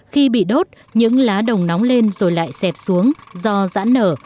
khi bị đốt những lá đồng nóng lên rồi lại xẹp xuống do rãn nở